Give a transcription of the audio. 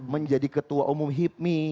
menjadi ketua umum hipmi